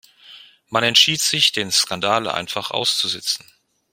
Man entschied sich, den Skandal einfach auszusitzen.